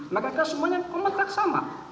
mereka semuanya komentar sama